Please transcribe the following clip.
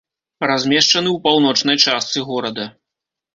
Размешчаны ў паўночнай частцы горада.